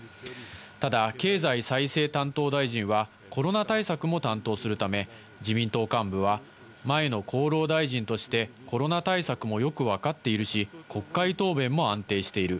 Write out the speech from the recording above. ただ、経済再生担当大臣は、コロナ対策も担当するため、自民党幹部は、前の厚労大臣として、コロナ対策もよく分かっているし、国会答弁も安定している。